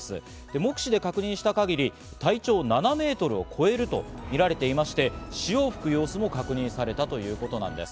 目視で確認した限り、体長７メートルを超えるとみられていまして、潮を吹く様子も確認されたということなんです。